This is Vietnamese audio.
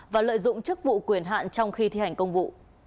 và lợi dụng chức vụ quyền hạn trong khi thi hành công vụ